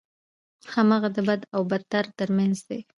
هماغه د بد او بدتر ترمنځ دی.